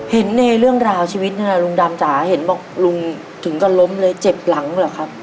เห็นในเรื่องราวชีวิตนั่นแหละลุงดำจ๋าเห็นบอกลุงถึงก็ล้มเลยเจ็บหลังเหรอครับ